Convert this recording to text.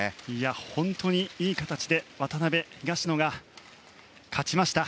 本当にいい形で渡辺、東野が勝ちました。